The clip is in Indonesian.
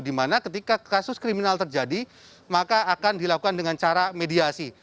dimana ketika kasus kriminal terjadi maka akan dilakukan dengan cara mediasi